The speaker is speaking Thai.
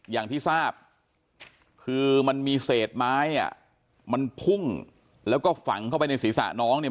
อย่างที่ทราบคือมันมีเศษไม้อ่ะมันพุ่งแล้วก็ฝังเข้าไปในศีรษะน้องเนี่ย